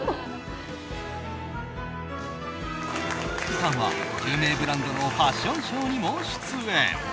福さんは有名ブランドのファッションショーにも出演。